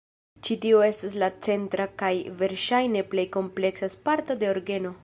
Ĉi tiu estas la centra kaj verŝajne plej kompleksa parto de orgeno.